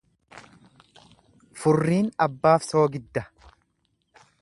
Furriin abbaaf soogidda.